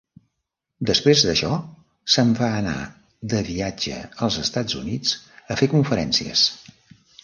Després d'això se'n va anar de viatge als Estats Units a fer conferències.